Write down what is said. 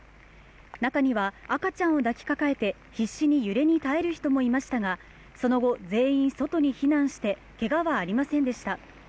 中には赤ちゃんを抱きかかえて必死に揺れに耐える人もいましたが、その後、全員外に避難してけがはありませんでした。